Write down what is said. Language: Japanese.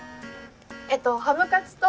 えっとハムカツと。